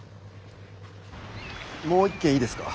もう一軒いいですか？